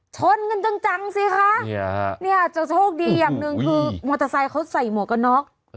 ช้นเงินจังจะโชคดีอย่างหนึ่งหมอเตอร์ไซเขาใส่หมวกนอก